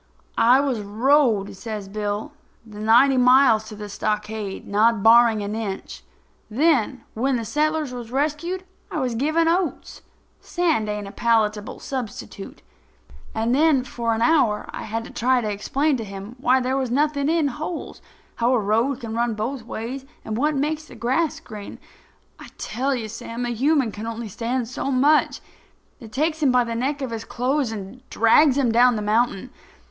"I was rode," says Bill, "the ninety miles to the stockade, not barring an inch. Then, when the settlers was rescued, I was given oats. Sand ain't a palatable substitute. And then, for an hour I had to try to explain to him why there was nothin' in holes, how a road can run both ways and what makes the grass green. I tell you, Sam, a human can only stand so much. I takes him by the neck of his clothes and drags him down the mountain.